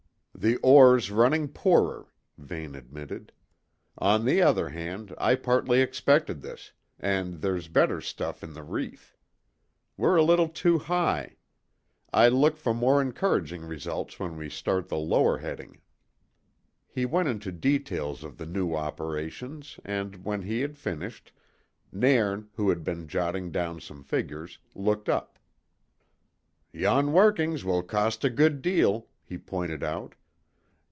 "The ore's running poorer," Vane admitted. "On the other hand, I partly expected this, and there's better stuff in the reef. We're a little too high; I look for more encouraging results when we start the lower heading." He went into details of the new operations and, when he had finished, Nairn, who had been jotting down some figures, looked up. "Yon workings will cost a good deal," he pointed out.